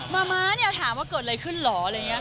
น่าจะเห็นจากวันนี้แล้วค่ะ